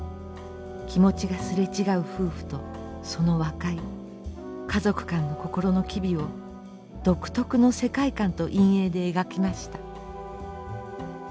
気持ちがすれ違う夫婦とその和解家族間の心の機微を独特の世界観と陰影で描きました。